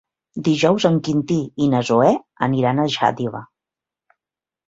Dijous en Quintí i na Zoè aniran a Xàtiva.